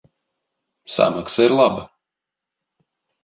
Samaksa ir laba.